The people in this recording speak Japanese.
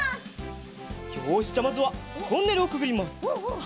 よしじゃあまずはトンネルをくぐります。